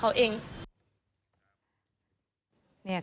พี่สาวทำหรือยัง